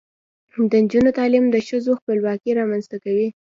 د نجونو تعلیم د ښځو خپلواکۍ رامنځته کوي.